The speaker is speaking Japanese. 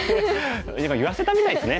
今言わせたみたいですね。